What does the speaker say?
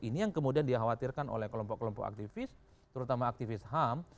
ini yang kemudian dikhawatirkan oleh kelompok kelompok aktivis terutama aktivis ham